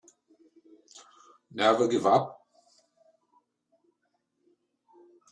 Never give up.